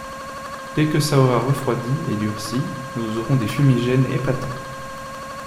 Dès que ça aura refroidi et durci, nous aurons des fumigènes épatants.